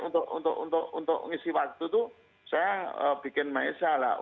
dan untuk ngisi waktu itu saya bikin maesah lah